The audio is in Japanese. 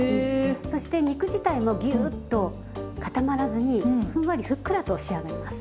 そして肉自体もギューッと固まらずにふんわりふっくらと仕上がります。